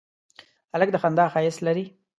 هلک د خندا ښایست لري.